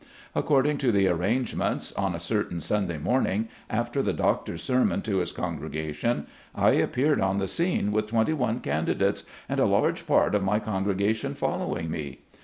According to the arrangements, on a certain Sunday morning, after the doctor's sermon to his congregation, I appeared on the scene with twenty one candidates, and a large part of my con gregation following me.